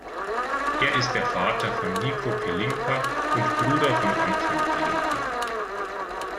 Er ist der Vater von Niko Pelinka und Bruder von Anton Pelinka.